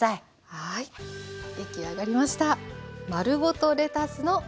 はい出来上がりました。